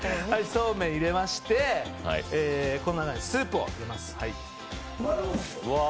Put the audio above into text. そうめんを入れまして、この中にスープを入れます。